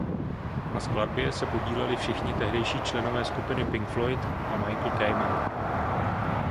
Na skladbě se podíleli všichni tehdejší členové skupiny Pink Floyd a Michael Kamen.